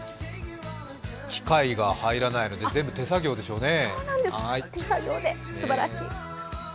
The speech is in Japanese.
機械が入らないので全部手作業でしょうね。